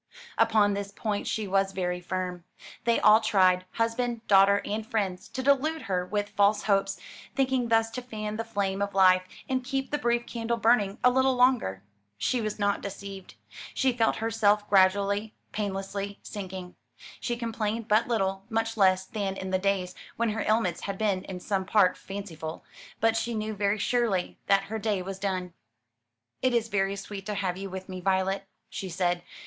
Upon this point she was very firm. They all tried husband, daughter, and friends to delude her with false hopes, thinking thus to fan the flame of life and keep the brief candle burning a little longer. She was not deceived. She felt herself gradually, painlessly sinking. She complained but little; much less than in the days when her ailments had been in some part fanciful; but she knew very surely that her day was done. "It is very sweet to have you with me, Violet," she said.